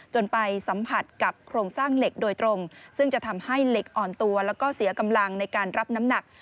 ไปสัมผัสกับโครงสร้างเหล็กโดยตรงซึ่งจะทำให้เหล็กอ่อนตัวแล้วก็เสียกำลังในการรับน้ำหนัก